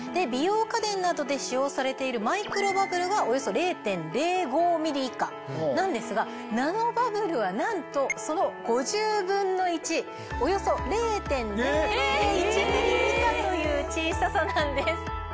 美容家電などで使用されているマイクロバブルはおよそ０．０５ｍｍ以下なんですがナノバブルはなんとその５０分の１およそ０．００１ｍｍ以下という小ささなんです。